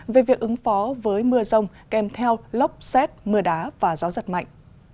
về việc ứng phó với mưa rông kèm theo lốc xét mưa đá và gió giật mạnh